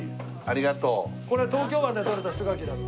これ東京湾でとれた酢ガキだって。